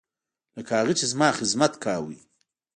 لکه هغه چې زما خدمت کاوه.